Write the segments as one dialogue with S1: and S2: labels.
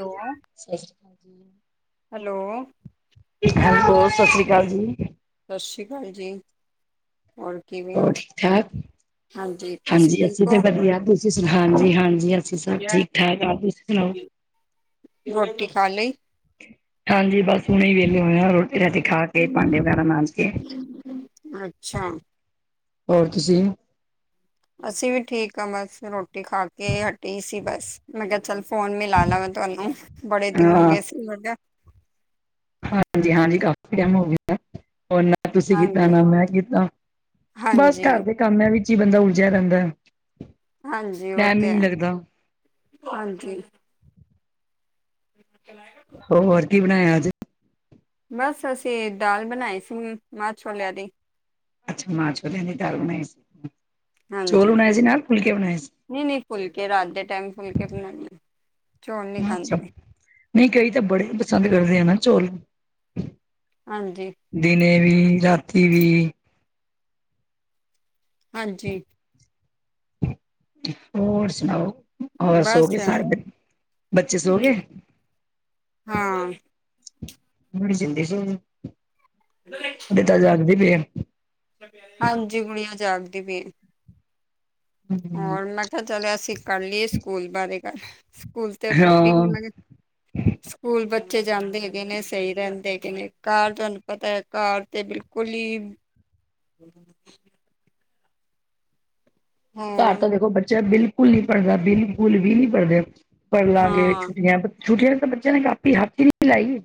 S1: ਹੋ।
S2: ਸਤਿ ਸ੍ਰੀ ਅਕਾਲ ਜੀ ਹੈ, ਸਤਿ ਸ੍ਰੀ ਅਕਾਲ ਜੀ।
S1: ਸਤਿ ਸ਼੍ਰੀ ਅਕਾਲ ਜੀ, ਹੋਰ। ਕਿਵੇਂ ਹੋ?
S2: ਹੋਰ ਠੀਕ ਠਾਕ।
S1: ਹਾਂਜੀ, ਤੁਸੀਂ
S2: ਹਾਂਜੀ ਅਸੀਂ
S1: ਠੀਕ
S2: ਤਾਂ
S1: ਹੋ?
S2: ਵਧੀਆ ਤੁਸੀਂ ਹਾਂਜੀ ਹਾਂਜੀ ਅਸੀਂ ਸਭ ਠੀਕ ਠਾਕ ਹਾਂ, ਤੁਸੀਂ ਸੁਣਾਓ।
S1: ਰੋਟੀ ਖਾ ਲਈ।
S2: ਹਾਂਜੀ, ਬਸ ਹੁਣੇ ਹੀ ਵਿਹਲੇ ਹੋਏ ਆ ਰੋ। ਰੋਟੀ ਖਾ ਕੇ ਭਾਂਡੇ ਵਗੈਰਾ ਮਾਂਜ ਕੇ।
S1: ਅੱਛਾ,
S2: ਹੋਰ ਤੁਸੀ‌।
S1: ਅਸੀਂ ਵੀ ਠੀਕ ਆਂ ਬਸ ਰੋਟੀ ਖਾ ਕੇ ਹਟੀ ਸੀ ਬਸ। ਮੈਂ ਕਿਆ ਚੱਲ ਫੋਨ ਮਿਲਾਲਾ ਮੈਂ ਤਵਾਨੂੰ, ਬੜੇ ਦਿਨ ਹੋ
S2: ਹਾਂ,
S1: ਗਏ ਸੀ ਮੈ ਕਿਆ
S2: ਹਾਂਜੀ-ਹਾਂਜੀ, ਕਾਫੀ ਟਾਈਮ ਹੋ ਗਿਆ, ਉਹਨਾਂ ਤੁਸੀਂ ਕੀਤਾ
S1: ਹਾਂਜੀ,
S2: ਨਾ ਮੈਂ ਕੀਤਾ, ਬਸ
S1: ਹਾਂਜੀ,
S2: ਘਰ ਦੇ ਕੰਮਾਂ ਵਿੱਚ ਈ ਬੰਦਾ ਉਲਝਿਆ ਰਹਿੰਦਾ।
S1: ਹਾਂਜੀ, ਓ
S2: ਟਾਈਮ ਹੀ
S1: ਤੇ
S2: ਨੀ
S1: ਹੈ।
S2: ਲੱਗਦਾ,
S1: ਹਾਂਜੀ। ਚਲਾ ਗਿਆ ਤੂੰ?
S2: ਓ ਹੋਰ ਕੀ ਬਣਾਇਆ ਅੱਜ?
S1: ਬਸ ਅਸੀਂ ਦਾਲ ਬਣਾਈ ਸੀ, ਮਾਂਹ ਛੋਲਿਆਂ ਦੀ।
S2: ਅੱਛਾ ਮਾਹ ਛੋਲਿਆ ਦੀ ਦਾਲ ਬਣਾਈ ਸੀ। ਚੋਲ ਬਣਾਏ ਸੀ ਨਾਲ, ਫੁਲਕੇ ਬਣਾਏ ਸੀ।
S1: ਨ‌ਈਂ- ਨ‌ਈਂ ਫੁਲਕੇ ਰਾਤ ਦੇ ਟਾਈਮ ਫੁਲਕੇ ਬਣਾਨੀ। ਚੋਲ ਨੀ ਖਾਂਦੇ।
S2: ਨਈ, ਕਈ ਤਾਂ ਬੜੇ ਈ ਪਸੰਦ ਕਰਦੇ ਆ ਨਾ ਚੋਲ।
S1: ਹਾਂਜੀ।
S2: ਦਿਨੇ ਵੀ, ਰਾਤੀ ਵੀ।
S1: ਹਾਂਜੀ।
S2: ਹੋਰ ਸੁਣਾਓ। ਹੋਰ ਸੋ ਗਏ
S1: ਬਸ
S2: ਸਾਰੇ ਬੱ, ਬੱਚੇ ਸੋ ਗੇ?
S1: ਹਾਂ।
S2: ਬੜੀ ਜਲਦੀ ਸੋ ਗੇ।
S1: [unintelligible]
S2: ਮੇਰੇ ਤਾਂ ਜਾਗਦੇ ਪੇ ਆ।
S1: ਹਾਂਜੀ। ਗੁੱਡੀਆਂ ਜਾਗਦੀ ਪਈ ਏ। ਹੋਰ ਮੈਂ ਕਿਆ ਚੱਲ, ਅਸੀਂ ਕਰ ਲੀਏ ਸਕੂਲ ਬਾਰੇ ਗਲ। ਸਕੂਲ ਤੇ ਟੋਪਿਕ
S2: ਹਾਂ
S1: ਮੈ [unintelligible] [unintelligible] [inaudible] ਸਕੂਲ ਬੱਚੇ ਜਾਂਦੇ ਹੈਗੇ ਨੇ ਸਹੀ ਰਹਿੰਦੇ ਹੈਗੇ ਨੇ। ਘਾਰ ਤੁਹਾਨੂੰ ਪਤਾ ਐ ਘਾਰ ਤਾਂ ਬਿਲਕੁਲ ਈ [inaudible]
S2: ਘਰ
S1: ਹੋਰ
S2: ਤਾਂ ਦੇਖੋ ਬੱਚਾ ਬਿਲਕੁਲ ਨ‌ਈ ਪੜ੍ਹਦਾ ਬਿਲਕੁਲ ਵੀ ਨੀ ਪੜ੍ਹਦੇ। ਪੜ੍ਹਲਾਂ ਗੇ,
S1: ਹਾਂ
S2: ਛੁੱਟੀਆਂ ਛੁੱਟੀਆਂ ਨੇ ਤਾਂ ਬੱਚਿਆਂ ਨੇ ਕਾਪੀ ਹੱਥ ਈ ਨੀ ਲਾਈ।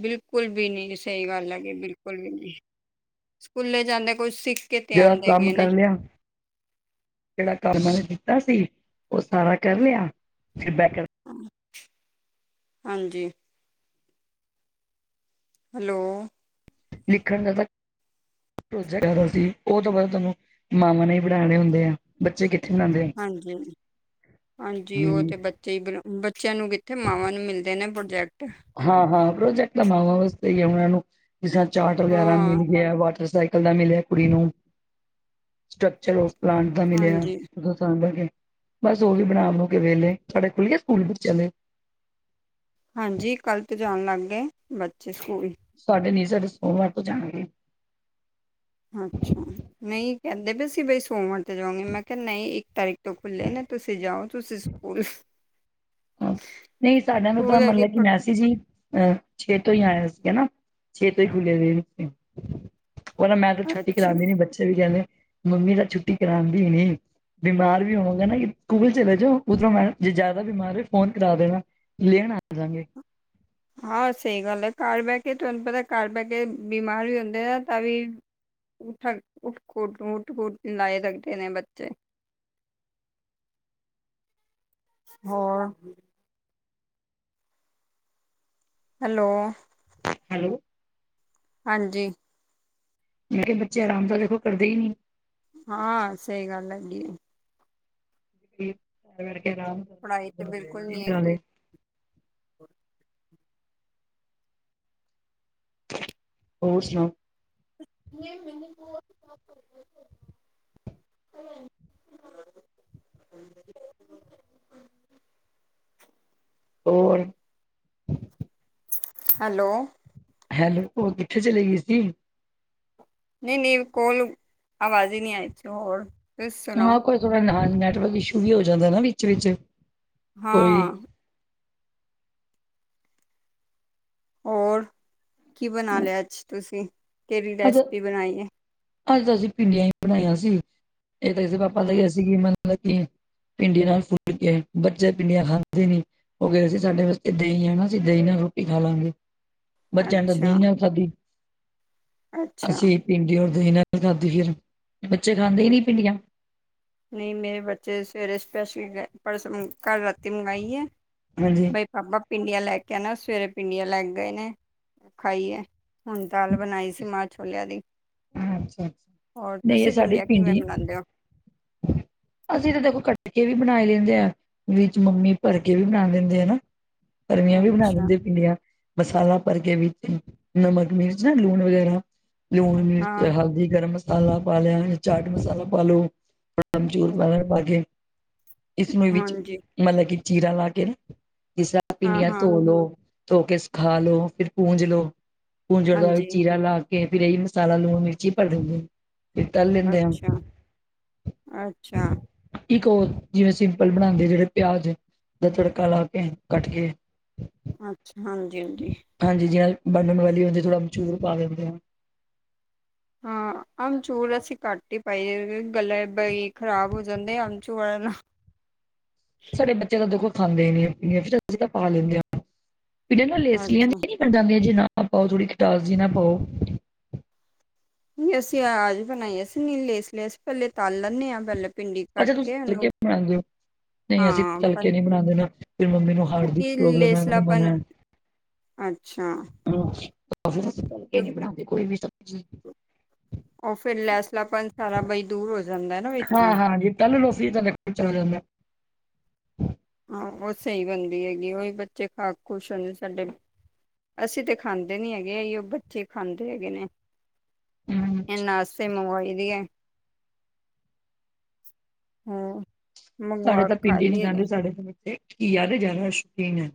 S1: ਬਿਲਕੁਲ ਵੀ ਨੀ, ਸਹੀ ਗੱਲ ਹੈਗੀ ਬਿਲਕੁਲ ਵੀ ਨੀ, ਸਕੂਲੇ ਜਾਂਦੇ ਕੋਈ ਸਿਖ
S2: ਜਿਹੜਾ ਕੰਮ ਕਰ ਲਿਆ ਜਿਹੜਾ ਕਰਮਾਂ ਨੇ ਦਿੱਤਾ ਸੀ, ਉਹ ਸਾਰਾ ਕਰ ਲਿਆ। ਫਿਰ ਬੈ ਕੇ
S1: ਹਾਂ, ਹਾਂਜੀ। ਹੈਲੋ।
S2: ਲਿਖਣ ਦਾ ਤਾਂ ਪ੍ਰੋਜੈਕਟ ਸੀ, ਉਹ ਤੋਂ ਬਾਅਦ ਤੁਹਾਨੂੰ ਮਾਂਵਾ ਨੇ ਹੀ ਬਣਾਣੇ ਹੁੰਦੇ ਆ। ਬੱਚੇ ਕਿੱਥੇ ਬਣਾਦੇ ਏ।
S1: ਹਾਂਜੀ-ਹਾਂਜੀ। ਹਾਂਜੀ, ਉਹ
S2: ਹਮ
S1: ਤੇ ਬੱਚੇ ਈ ਬਨੋ ਬੱਚਿਆਂ ਨੂੰ ਕਿੱਥੇ, ਮਾਵਾਂ ਨੂੰ ਮਿਲਦੇ ਨੇ ਪ੍ਰੋਜੈਕਟ।
S2: ਹਾਂ-ਹਾਂ, ਪ੍ਰੋਜੈਕਟ ਤਾਂ ਮਾਵਾਂ ਵਾਸਤੇ ਈ ਆ ਉਹਨਾਂ ਨੂੰ, ਜਿਸ ਤਰ੍ਹਾਂ ਚਾਟ ਵਗੈਰਾ
S1: ਹਾਂ
S2: ਮਿਲ ਗਿਆ। ਵਾਟਰਸਾਈਕ ਕ ਦਾ ਮਿਲਿਆ ਕੁੜੀ ਨੂੰ, ਸਟਕਚਰ ਔਫ ਪਲਾਂਟ ਦਾ ਮਿਲਿਆ।
S1: ਹਾਂਜੀ
S2: ਉਹ ਤਾਂ ਕਰਕੇ ਬਸ ਉਹ ਵੀ ਬਣਾ-ਬਣੂ ਕੇ ਵੇਲ੍ਹੇ, ਤੁਹਾਡੇ ਖੁੱਲ ਗਏ ਸਕੂਲ ਬੱਚਿਆਂ ਦੇ?
S1: ਹਾਂਜੀ, ਕੱਲ੍ਹ ਤੋਂ ਜਾਣ ਲੱਗ ਗੇ, ਬੱਚੇ ਸਕੂਲ
S2: ਸਾਡੇ ਨੀ ਸਾਡੇ ਸੋਮਵਾਰ ਤੋਂ ਜਾਣਗੇ।
S1: ਅੱਛਾ, ਨ‌ਈ ਕਹਿੰਦੇ ਪਏ ਸੀ ਬਈ ਸੋਵਨ ਤੇ ਜਾਵਾਗੇ। ਮੈਂ ਕਿਆ ਨ‌ਈਂ ਇੱਕ ਤਾਰੀਕ ਤੋਂ ਖੁੱਲੇ ਨੇ ਤੁਸੀਂ ਜਾਓ ਤੁਸੀਂ ਸਕੂਲ।
S2: ਨ‌ਈਂ, ਸਾਡਾ ਆ ਨੂੰ
S1: ਸਕੂਲ
S2: ਤਾਂ
S1: ਹੈਗੇ
S2: ਮਲਬ ਕਿ
S1: ਤੁਹਾਡੇ?
S2: ਮੈਸੇਜ ਈ, ਅ ਛੇ ਤੋਂ ਈ ਆਇਆ ਸੀ ਹਨਾ, ਛੇ ਤੋਂ ਈ ਖੁੱਲ੍ਹੇ ਰਹੇ ਨੇ ਉਹ ਤਾਂ ਮੈਂ ਤਾਂ ਛੁੱਟੀ
S1: ਅੱਛਾ
S2: ਕਰਾਂਦੀ ਨੀ ਬੱਚੇ ਵੀ ਕਹਿੰਦੇ, ਮੰਮੀ ਤਾਂ ਛੁੱਟੀ ਕਰਾਂਦੀ ਨੀ। ਬਿਮਾਰ ਵੀ ਹੋਵੋਂਗੇ ਨਾ ਕਿ, ਸਕੂਲ ਚਲੇ ਜਾਓ। ਉਧਰੋਂ ਮੈ ਨਾ ਜੇ ਜ਼ਿਆਦਾ ਬਿਮਾਰ ਹੋਏ ਫੋਨ ਕਰਾ ਦੇਣਾ। ਲੈਨ ਆਜਾਂ ਗੇ।
S1: ਹਾਂ ਸਹੀ ਗੱਲ ਆ। ਘਰ ਬਹਿ ਕੇ ਤੁਹਾਨੂੰ ਪਤਾ ਘਰ ਬਹਿ ਕੇ ਬਿਮਾਰ ਵੀ ਹੁੰਦੇ ਆ। ਤਾਂ ਵੀ, ਉਠਕ ਉਠ ਕ ਓਠ ਕੁਦ ਲਾਏ ਰੱਖਦੇ ਨੇ ਬੱਚੇ। ਹਾਂ ਅ ਹੈਲੋ।
S2: ਹੈਲੋ।
S1: ਹਾਂਜੀ
S2: ਮੇਰੇ ਬੱਚੇ ਆਰਾਮ ਤਾਂ ਦੇਖੋ ਕਰਦੇ ਹੀ ਨੀ।
S1: ਹਾਂ ਸਹੀ ਗੱਲ ਹੈਗੀ ਐ।
S2: [unintelligible]
S1: ਪੜ੍ਹਾਈ ਤੇ ਬਿਲਕੁਲ
S2: ਛੁੱਟੀ
S1: ਨੀ
S2: ਵੀ ਨਾਲੇ
S1: ਹੈਗੀ।
S2: ਹੋਰ ਸੁਣਾਓ?
S1: ਨਹੀਂ ਮੈਨੂੰ ਬਹੁਤ ਤੰਗ਼ ਕਰਦੇ ਆ।
S2: ਹੋਰ
S1: ਹੈਲੋ
S2: ਹੈਲੋ ਉਹ ਕਿੱਥੇ ਚਲੇ ਗਈ ਸੀ।
S1: ਨਹੀਂ- ਨਹੀਂ ਵ ਕੋਲ ਆਵਾਜ਼ ਹੀ ਨੀ ਆਈ ਸੀ ਹੋਰ? ਸੁਣਾਓ
S2: ਹਾਂ ਕੋਈ ਥੋੜਾ ਨਾ ਨੈਟਵਰਕ ਇਸ਼ੂ ਵੀ ਹੋ ਜਾਂਦਾ ਨਾ ਵਿਚ- ਵਿਚ।
S1: ਹਾਂ ਅ ਹੋਰ ਕੀ ਬਣਾ ਲਿਆ ਅੱਜ ਤੁਸੀਂ ਕਿਹੜੀ
S2: ਅੱਜ
S1: ਰੈਸਪੀ ਬਣਾਈ ਹੈ।
S2: ਅੱਜ ਤਾਂ ਅਸੀਂ ਭਿੰਡੀਆਂ ਹੀ ਬਣਾਈਆਂ ਸੀ ਇਹ ਤਾਂ ਕਿਸੇ ਪਾਪਾ ਦਾ
S1: ਹਮ,
S2: ਗ ਸੀ ਮਤਲਬ ਕਿ ਭਿੰਡੀੀਆਂ ਨਾਲ ਫੁੱਲ ਕੇ ਬੱਚੇ ਭਿੰਡੀਆਂ ਖਾਂਦੇ ਨੀ। ਹੋ ਗਿਆ ਸੀ ਸਾਡੇ ਵਾਸਤੇ ਦਹੀਂ ਆ ਨਾ ਅਸੀਂ ਦਹੀਂ ਨਾਲ ਰੋਟੀ ਖਾ ਲਵਾਂਗੇ ਬੱਚਿਆਂ ਨੂੰ ਤਾਂ
S1: ਅੱਛਾ
S2: ਦਹੀਂ ਨਾਲ ਖਾਧੀ।
S1: ਅੱਛਾ
S2: ਅਸੀਂ ਭਿੰਡੀ ਔਰ ਦਹੀਂ ਨਾਲ ਖਾਧੀ ਫਿਰ, ਬੱਚੇ ਖਾਂਦੇ ਹੀ ਨੀ ਭਿੰਡੀਆਂ।
S1: ਨਹੀਂ ਮੇਰੇ ਬੱਚੇ ਸਵੇਰੇ ਸਪੈਸ਼ਲੀ ਗਏ ਪਰਸੋ ਮ ਅ ਕੱਲ ਰਾਤੀ ਮੰਗਾਈ ਐ।
S2: ਹਾਂਜੀ
S1: ਬਈ ਪਾਪਾ ਪਿੰਡੀਆਂ ਲੈ ਕੇ ਆਣਾ। ਸਵੇਰੇ ਭਿੰਡੀਆਂ ਲੇ ਕੇ ਗਏ ਨੇ, ਖਾਈਏ। ਹੁਣ ਦਾਲ ਬਣਾਈ ਸੀ ਮਾਂਹ ਛੋਲਿਆਂ ਦੀ।
S2: ਅੱਛਾ ਅੱਛਾ
S1: ਔਰ
S2: ਨਹੀਂ ਇਹ
S1: ਤੁਸੀਂ
S2: ਸਾਡੀ
S1: ਭਿੰਡੀਆਂ ਕਿਵੇਂ
S2: ਭਿੰਡੀ
S1: ਬਣਾਦੇ ਔ।
S2: ਅਸੀਂ ਤਾਂ ਦੇਖੋ ਕੱਟਕੇ ਵੀ ਬਣਾਈ ਹੀ ਲੈਂਦੇ ਆ। ਵਿੱਚ ਮੰਮੀ ਭਰਕੇ ਵੀ ਬਣਾ ਦਿੰਦੇ ਆ ਨਾ, ਭਰਵੀਆਂ ਵੀ ਬਣਾ
S1: ਅੱਛਾ
S2: ਦਿੰਦੇ ਆ ਭਿੰਡੀਆਂ। ਮਸਾਲਾ ਭਰ ਕੇ ਵਿੱਚ ਨਮਕ, ਮਿਰਚ ਨਾ ਲੂਣ ਵਗੈਰਾ। ਲੂਣ- ਮਿਰਚ,
S1: ਹਾਂ
S2: ਹਲਦੀ, ਗਰਮ ਮਸਾਲਾ ਪਾ ਲਿਆ, ਜਾ ਚਾਟ ਮਸਾਲਾ ਪਾ ਲੋ। ਥੋ ਅੰਬਚੂਰ ਪਣ 'ਚ ਪਾ ਕੇ। ਇਸਨੂੰ ਇਹ ਵਿੱਚ
S1: ਹਾਂਜੀ
S2: ਮਤਲਬ ਕਿ ਚੀਰਾ ਲਾ ਕੇ ਨਾ ਜਿਸ ਤਰ੍ਹਾਂ
S1: ਹਾਂ
S2: ਭਿੰਡੀਆਂ
S1: ਹਾਂ
S2: ਧੋ ਲਓ। ਧੋ ਕੇ ਸਿਖਾ ਲ ਲੋ ਫਿਰ ਪੂੰਜ ਲੋ ਪੂੰਜਣ ਦਾ
S1: ਹਾਂਜੀ
S2: ਚੀਰਾ ਲਾ। ਫਿਰ ਇਹੀ ਮਸਾਲਾ ਲੂਣ ਮਿਰਚ ਹੀ ਭਰ ਦਿੰਦੇ। ਫਿਰ ਤਲ ਲੈਂਦੇ ਆ
S1: ਅੱਛਾ ਅੱਛਾ।
S2: ਇੱਕ ਉਹ ਜਿਵੇਂ ਸਿੰਪਲ ਬਣਾਉਂਦੇ ਜਿਹੜੇ ਪਿਆਜ ਦਾ ਤੜਕਾ ਲਾ ਕੇ ਕੱਟ ਕੇ
S1: ਅੱਛਾ ਹਾਂਜੀ ਹਾਂਜੀ
S2: ਹਾਂਜੀ ਜਿਂ ਬਣਨਣ ਵਾਲੀ ਹੁੰਦੀ ਥੜਾ ਅੰਬਚੂਰ ਪਾਵੇ ਹੁੰਦੇ ਆ।
S1: ਹਾਂ ਆਮਚੂੂਰ ਅਸੀਂ ਕੱਟ ਹੀ ਪਾਈ ਗਲੇ ਬਈ ਖ਼ਰਾਬ ਹੋ ਜਾਂਦੇ ਅਮਚੂ ਨਾਲ।
S2: ਸਾਡੇ ਬੱਚੇ ਤਾਂ ਦੇਖੋ ਖਾਂਦੇ ਹੀ ਨੀ ਪੀਆਂ ਫਰ ਅਸੀਂ ਤਾਂ ਪਾ ਲੈਂਦੇ ਹ ਪੀੜੀਆਂ ਲੇਸਲੀਆਂਆਂ
S1: ਅੱਛਾ
S2: ਮੈਂ ਜਾਂਦੀ ਆ ਜੀ ਨਾ ਪਾਓ ਥੋੜੀ ਖਿਟਾਸ ਜ ਨਾ ਪਾਓ।
S1: ਅਸੀਂ ਆਜ ਬਣਾਈ ਅਸੀਂ ਨੀ ਲੇਸ ਲੈਸ ਪਹਿਲੇ ਤਲ ਲੈਂਦੇ ਹਾਂ ਪਹਿਲੇ ਪਿੰਡੀ
S2: ਅੱਛਾ ਤੁਂਕੇ ਬਣਾਉਂਦੇ ਹੋ। ਨਹੀਂ ਅਸੀਂ
S1: ਹਾਂ
S2: ਤਲਕੇ
S1: ਪਰ
S2: ਨਹੀਂ ਬਣਾਉਂਦੇ ਨਾ ਫ ਮੰਮੀ ਨੂੰ ਹਾਰਟ ਦੀ
S1: ਕਿ
S2: ਪ੍ਰੋਬਲਮ ਹੈ ਮੈਨੂੰ
S1: ਲੇਸਲਾਪਨ
S2: ਮਨ।
S1: ਅੱਛਾ
S2: ਸੀਕੇ ਨੀ ਬਣਾਉਂਦੇ ਕੋਈ ਵੀ ਸਬਜ਼ੀ
S1: ਉਹਓ ਫਿਰ ਲੈਸ ਲਗ ਪ ਸਾਰਾ ਬ ਦੂਰ ਹੋ ਜਾਂਦਾ ਨਾ,
S2: ਹਾਂ
S1: ਵਿੱਚੋਂ
S2: ਹਾਂ, ਜੀ ਤਲ ਲੋ ਚ ਜਾਂਦਾ
S1: ਹਾਂ ਉਹ ਸਹੀ ਬਣਦੀ ਹੈਗੀ ਉਹੀ ਬੱਚੇ ਖਾ ਖੁਸ਼ ਹੋਦੇ ਸਾਡੇ ਅਸੀਂ ਤੇ ਖਾਂਦੇ ਨੀ ਹੈਗੇ ਉਹ ਬੱਚੇ ਖਾਂਦੇ ਹੈਗੇ ਨੇ,
S2: ਹਮ,
S1: ਇਹਨਾ ਵਾਸਤੇ ਤੇ ਮੰਗਵਾਈ ਦੀ ਹੈ, ਹਮ-
S2: ਸਾਡੇ
S1: ਮੰਗਵਾ
S2: ਤਾਂ
S1: ਖਾ
S2: ਭਿੰਡੀ ਹੀ ਨੀ
S1: ਲਈਏ
S2: ਖਾਦੇਂ, ਸਾਡੇ ਤਾਂ ਘੀਆ ਦੇ ਜ਼ਿਆਦਾ ਸ਼ੌਕੀਨ ਹੈ।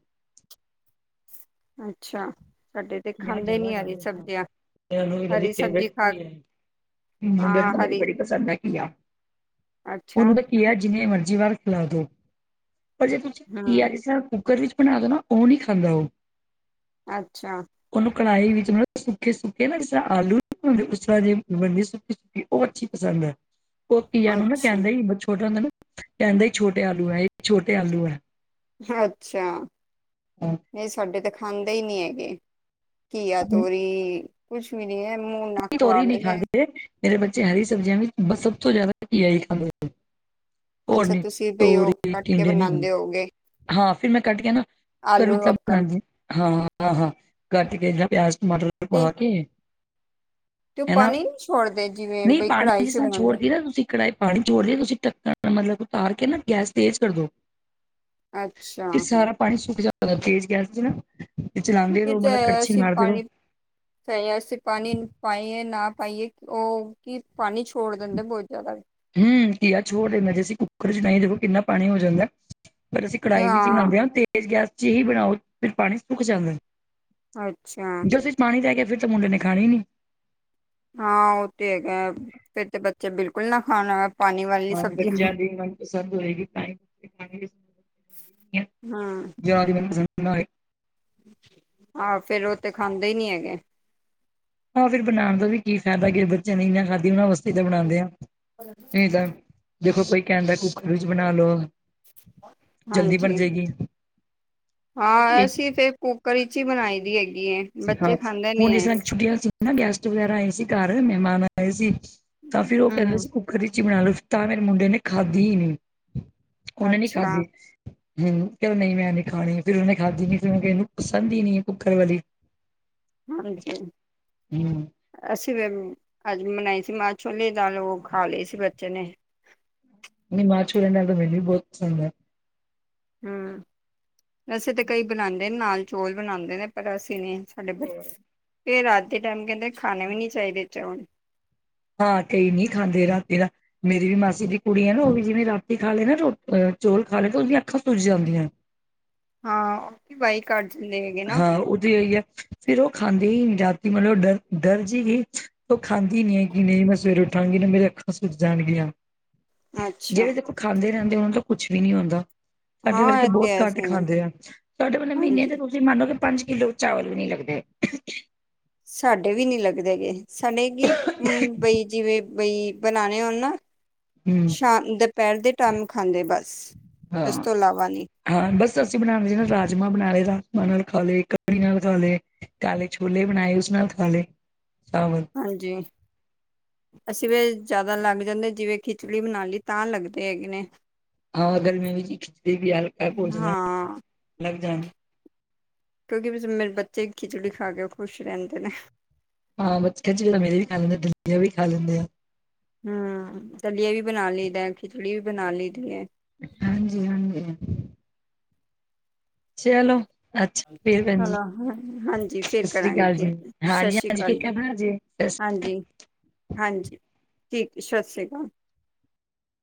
S1: ਅੱਛਾ- ਸਾਡੇ ਤੇ
S2: ਘੀਆ
S1: ਖਾਂਦੇ ਨੀ
S2: ਜ਼ਿਆਦਾ
S1: ਹਰੀ
S2: ਖਾਂਦੇ
S1: ਸਬਜ਼ੀਆਂ,
S2: ਇਹਨਾਂ ਨੂੰ ਇਹਨਾਂ ਦੀ
S1: ਹਰੀ ਸਬਜ਼ੀ
S2: ਫੇਵਰਟ
S1: ਖਾ
S2: ਕੀ ਹੈ ਮੁੰਡੇ
S1: ਹਾਂ
S2: ਤਾਂ ਮੇਰੇ ਨੂੰ
S1: ਹਰੀ
S2: ਬੜੀ ਪਸੰਦ ਹੈ ਹੈਗੀ ਹਾ
S1: ਅੱਛਾ,
S2: ਉਹਨੂੰ ਤਾਂ ਘਿਆ ਹੈ ਜਿੰਨੇ ਮਰਜ਼ੀ ਵਾਰ ਖਿਲਾ ਦੋ, ਪਰ ਜੇ ਤੁਸੀਂ ਕੀ ਆ
S1: ਹੂੰ,
S2: ਕਿਸ ਕੁੱਕਰ ਵਿੱਚ ਬਣਾ ਦ ਨਾ, ਉਹ ਨਹੀਂ ਖਾਂਦਾ ਉਹ-
S1: ਅੱਛਾ-
S2: ਉਹਨੂੰ ਕੜਾਹੀ ਵਿੱਚ ਮਤਲਬ, ਸੁੱਕੇ ਸੁੱਕੇ ਨਾ ਜਿਸ ਤਰ੍ਹਾਂ ਆਲੂ ਉਸ ਤਰ੍ਹਾਂ ਜੇ ਬਨਦੀ ਸੁੱਕੀ ਵੀ ਉਹ ਅੱਛੀ ਪਸੰਦ ਹੈ ੳਹ ਘੀਆ ਨੂੰ ਨਾ
S1: ਅੱਛਾ,
S2: ਕਹਿੰਦਾ, ਛੋਟਾ ਹੁੰਦਾ ਨਾ ਕਹਿੰਦਾ ਹੀ ਛੋਟੇ ਆਲੂ ਹੈ ਇਹ ਛੋਟੇ ਆਲੂ ਹੈ
S1: ਅੱਛਾ, ਇਹ ਸਾਡੇ ਤਾਂ ਖਾਂਦੇ ਹੀ ਨਹੀਂੀ ਹੈਗੇ ਘੀਆ ਤੋਰੀ, ਕੁਛ ਵੀ ਨੀ ਹੈ ਮੂੰਹ ਨੱਕ
S2: ਤੋਰੀ ਨਹੀਂ
S1: ਵਡਦੇ
S2: ਖਾਂਦੇ ਮੇਰੇ ਬੱਚੇ ਹਰੀ ਸਬਜ਼ੀਆਂ ਵਿੱਚ ਬ ਸਭ ਤੋਂ ਜ਼ਿਆਦਾ ਘਿਆ ਹੀ ਖਾਂਦੇ। ਹੋਰ
S1: ਅੱਛਾ
S2: ਨਈ
S1: ਤੁਸੀਂ ਬਈ ਉਹ
S2: ਤੋਰੀ,
S1: ਕੱਟ ਕੇ
S2: ਟੀਂਡੇ ਨਹੀਂ
S1: ਬਣਾਉਂਦੇ ਹੋਗੇ,
S2: ਖਾਂਦੇ। ਹਾਂ, ਫਿਰ ਮੈਂ ਕੱਟ ਕੇ ਨਾ, ਘਰੋਂ
S1: ਆਲੂ ਵੱਕਣ
S2: ਹਾਂ ਹਾਂ -ਹਾਂ, ਕੱਟ ਕੇ ਏਦਾ ਪਿਆਜ- ਟਮਟਰ
S1: ਤੇ
S2: ਪਾ ਕੇ
S1: ਤੇ ਉਹ
S2: ਹਨਾ!
S1: ਪਾਣੀ ਨੀ ਛੋੜਦੇ ਜਿਵੇਂ
S2: ਨਹੀਂ
S1: ਬਈ
S2: ਪਾਣੀ
S1: ਕੜਾਹੀ
S2: ਜਿਸ
S1: ਚ
S2: ਤਰ੍ਹਾਂ
S1: ਬਣਾਉਂਦੇ,
S2: ਛੋੜਦੀ ਨਾ ਤੁਸੀਂ। ਕੜਾਏ ਪਾਣੀ ਛੋੜ ਲਿਆ ਤੁਸੀਂ ਢੱਕਣ ਮਤਲਬ ਉਤਾਰ ਕੇ ਨਾ ਗੈਸ ਤੇਜ਼ ਕਰਦੋ-
S1: ਅੱਛਾ
S2: ਫੇਰ ਸਾਰਾ ਪਾਣੀ ਸੁੱਕ ਜਾ ਤੇਜ ਗੈਸ ਤੇ ਨਾ ਤੇ ਚਲਾਉਂਦੇ ਰਹੋ, ਮਤਲਬ ਕੜਛੀ ਮਾਰਦੇ ਰਹੋ-
S1: ਚ ਅਸੀਂ ਪਾਣੀ ਪਾਈਏ ਨਾ ਪਾਈਏ ਉਹ ਕੀ ਪਾਣੀ ਛੋੜ ਦਿੰਦੇ ਬਹੁਤ ਜ਼ਿਆਦਾ
S2: ਹਮ, ਘੀਆ ਛੋੜ ਲੈਂਦਾ ਜੇ ਅਸੀਂ ਕੁੱਕਰ ਚ ਨਹੀਂ ਦੇਖੋ ਕਿੰਨਾ ਪਾਣੀ ਹੋ ਜਾਂਦਾ ਪਰ ਅਸੀਂ ਕੜਾਹੀ ਵਿੱਚ ਬਣਾਉਂਦੇ ਹਾਂ, ਤੇਜ਼ ਗੈਸ ਚ ਹੀ ਬਣਾਓ ਫਿਰ ਪਾਣੀ ਸੁੱਕ ਜਾਂਦਾ
S1: ਅੱਛਾ
S2: ਜੇ ਉਸ ਵਿੱਚ ਪਾਣੀ ਰਹਿ ਗਿਆ ਫ਼ਿਰ ਤਾਂ ਮੁੰਡੇ ਨੇ ਖਾਣੀ ਹੀ ਨੀ
S1: ਹਾਂ ਉਹ ਤੇ ਹੈਗਾ, ਫਿਰ ਤੇ ਬੱਚੇ ਬਿਲਕੁਲ ਨਾ ਖਾਣ ਪਾਣੀ ਵਾਲੀ
S2: ਹਾਂ,
S1: ਸਬਜ਼ੀਆਂ
S2: ਬੱਚਿਆਂ ਦੀ ਮਨਪਸੰਦ ਹੋਏਗੀ ਤਾਂ
S1: ਹਾਂ,
S2: ਨਹੀਂ
S1: ਆਹੋ! ਫੇਰ ਉਹ ਤੇ ਖਾਂਦੇ ਹੀ ਨੀ ਹੈਗੇ।
S2: ਆਹ ਫਿਰ ਬਣਾਉਣ ਦਾ ਵੀ ਕੀ ਫਾਇਦਾ ਕਿ ਬੱਚਿਆਂ ਨੇ ਨਈ ਖਾਧੀ ਉਹਨਾ ਵਾਸਤੇ ਤਾ ਬਣਾਉਂਦੇ ਆ, ਦੇਖੋ ਕੋਈ ਕਹਿ ਦਾ ਕੁੱਕਰ ਵਿੱਚ ਬਣਾ ਲਓ ਜਲਦੀ ਬਣ
S1: ਹਾਂਜੀ
S2: ਜਾਏਗੀ।
S1: ਹਾਂ,
S2: ਇਹ
S1: ਅਸੀਂ ਫਿਰ ਕੁੱਕਰ ਵਿਚ ਹੀ ਬਣਾਈ ਦੀ ਹੈਗੀ ਏ।
S2: ਹਾਂ, ਹੁਣ ਜਿਸ ਤਰ੍ਹਾਂ ਛੁੱਟੀਆਂ ਗੈਸਟ ਵਗੈਰਾ ਆਏ ਸੀ ਘਰ ਮਹਿਮਾਨ ਆਏ ਸੀ ਤਾਂ ਫੇਰ ਉਹ ਕਹਿੰਦੇ
S1: ਹਮ
S2: ਸੀ ਕੁਕਰ ਚ ਬਣਾ ਲਓ ਤਾਂ ਮੇਰੇ ਮੁੰਡੇ ਨੇ ਖਾਧੀ ਹੀ ਨਹੀਂ, ਉਹਨੇ ਨੀ
S1: ਅੱਛਾ
S2: ਖਾਧੀ। ਹਮ, ਚੱਲ ਨਹੀਂ ਮੈਂ ਇਥੇ ਖਾਣੀ ਆ ਫਿਰ ਉਹਨੇ ਖਾਧੀ ਨ ਫਿਰ ਮੈਂ ਕਨੂੰ ਪਸੰਦ ਹੀ ਨਹੀਂ ਕੁੱਕਰ ਵਾਲੀ।
S1: ਹਾਂਜੀ
S2: ਹੂੰ ਨਹੀਂ
S1: ਅਸੀਂ ਵੀ ਅੱਜ ਬਨਾਈ ਸੀ ਮਾਂ- ਛੋਲੇ ਦੀ ਦਾਲ ਉਹ ਖਾ ਲਈ ਸੀ ਬੱਚੇ ਨੇ-
S2: ਨਹੀਂ, ਮਾਂ -ਛੋਲਿਆ ਦੀ ਦਾਲ ਤਾਂ ਮੈਨੂੰ ਵੀ ਬਹੁਤ ਪਸੰਦ ਹੈ।
S1: ਹਮ, ਅਸੀਂ ਤਾਂ ਕਈ ਬਣਾਉਂਦੇ ਨੇ ਨਾਲ ਚੋਲ ਬਣਾਉਂਦੇ ਨੇ ਪਰ ਅਸੀਂ ਨਹੀਂ ਸਾਡੇ ਬ ਚੇ ਕਹਿੰਦੇ ਰਾਤ ਦੇ ਟਾਈਮ ਕਹਿੰਦੇ ਖਾਣੇ ਵੀ ਨਹੀਂ ਚਾਹੀਦੇ ਚੌਲ
S2: ਹਾਂ, ਕਈ ਨਹੀਂ ਖਾਂਦੇ ਰਾਤੀ ਦਾ ਮੇਰੀ ਵੀ ਮਾਸੀ ਦੀ ਕੁੜੀ ਐ ਨਾ ਓ ਵੀ ਜਿਵੇਂ ਰਾਤੀ ਖਾ ਲੈ ਨਾ ਚੋਲ ਖਾ ਲੇ ਨਾ ਤੇ ਓਦੀਆਂ ਅੱਖਾਂ ਸੁੱਜ ਜਾਂਦੀਆਂ।
S1: ਹਾਂ, ਓ ਬਾਈ ਕਰ ਜਾਂਦੇ ਹੈਗੇ ਨਾ।
S2: [unintelligible] ਫਿਰ ਓ ਖਾਂਦੇ ਈ ਨੀ ਜਦਦੀ ਮਤਲਬ ਡਰ ਡਰਜੇ ਗਈ। ਓ ਖਾਂਦੀ ਨੀ ਹੈਗੀ ਨਈ ਮੈਂ ਸਵੇਰੇ ਉੱਠਾਂਗੀ ਨਾ ਮੇਰੇ ਅੱਖਾਂ ਸੁੱਜ ਜਾਣਗੀਆਂ।
S1: ਅੱਛਾ
S2: ਜੇੜੇ ਦੇਖੋ ਖਾਂਦੇ ਰਹਿੰਦੇ ਓਨਾਂ ਨੂੰ ਕੁਛ ਵੀ ਨੀ ਹੁੰਦਾ। ਸਾਡੇ
S1: ਹਾਂ
S2: ਵਰਗੇ
S1: ਇਹ ਤੇ
S2: ਬਹੁਤ ਘੱਟ
S1: ਐਸੇ
S2: ਖਾਂਦੇ ਆ। ਸਾਡੇ ਵਾਲੇ ਮਹੀਨੇ
S1: ਹਾਂਜੀ
S2: ਚ ਤੁਸੀਂ ਮੰਨ ਲੋ ਕਿ ਪੰਜ ਕਿੱਲੋ ਚਾਵਲ ਵੀ ਨੀ ਲੱਗਦੇ।
S1: ਸਾਡੇ ਵੀ ਨੀ ਲੱਗਦੇ ਗੇ, ਸਾਡੇ ਕੀ ਬਈ ਜਿਵੇਂ ਬਈ ਬਣਾਣੇ ਹੋਣ ਨਾ
S2: ਹਮ
S1: ਸ਼ਾਮ-ਦੁਪਹਿਰ ਦੇ ਟਾਈਮ ਖਾਂਦੇ ਬਸ, ਇਸ
S2: ਹਾਂ
S1: ਤੋਂ ਇਲਾਵਾ ਨਈ।
S2: ਹਾਂ ਬਸ ਅਸੀਂ ਬਣਾਣਾ ਜ ਨਾ ਰਾਜਮਾਂ ਬਣਾ ਲਏ ਰਾਜਮਾਂ ਨਾਲ ਖਾ ਲਏ, ਕੜੀ ਨਾਲ ਖਾ ਲਏ। ਕਾਲੇ ਛੋਲੇ ਬਣਾਏ ਉਸ ਨਾਲ ਖਾ ਲੇ ਚਾਵਲ।
S1: ਹਾਂਜੀ। ਅਸੀਂ ਵੀ ਜ਼ਿਆਦਾ ਲੱਗ ਜਾਂਦੇ ਜਿਵੇਂ ਖਿਚੜੀ ਬਣਾ ਲਈ ਤਾਂ ਲੱਗਦੇ ਹੈਗੇ ਨੇ।
S2: ਹਾਂ ਗਰਮੀ ਵਿੱਚ ਖਿਚੜੀ ਵੀ ਹਲਕਾ ਭੋਜਨ ਆ
S1: ਹਾਂ
S2: ਲੱਗ ਜਾਂਦਾ।
S1: ਕਿਉਂਕਿ ਮੇਰੇ ਬੱਚੇ ਖਿਚੜੀ ਖਾ ਕੇ ਖੁਸ਼ ਰਹਿੰਦੇ ਨੇ।
S2: ਹਾਂ ਬੱਚੇ ਮੇਰੇ ਵੀ ਖਾ ਲੈਂਦੇ ਆ, ਦਲੀਆਂ ਵੀ ਖਾ ਲੈਂਦੇ ਆ।
S1: ਹਾ, ਦਲੀਆ ਵੀ ਬਣਾ ਲਈਦਾ, ਖਿਚੜੀ ਵੀ ਬਣਾ ਲਈ ਦੀ ਐ।
S2: ਹਾਂਜੀ-ਹਾਂਜੀ। ਚਲੋ! ਅੱਛਾ ਫੇਰ ਭੈਣ ਜੀ,
S1: ਚਲੋ ਹਾਂਜੀ
S2: ਸਤਿ
S1: ਫਿਰ
S2: ਸ੍ਰੀ
S1: ਕਰਾਂਗੇ
S2: ਅਕਾਲ ਜੀ।
S1: ਠੀਕ ਸਤਿ ਸ਼੍ਰੀ
S2: ਹਾਂਜੀ-ਹਾਂਜੀ। ਫ
S1: ਅਕਾਲ ਜੀ
S2: ਕ ਜੇ
S1: ਹਾਂਜੀ
S2: [unintelligible]
S1: ਹਾਂਜੀ, ਠੀਕ ਹੈ। ਸਤਿ ਸ਼੍ਰੀ ਅਕਾਲ।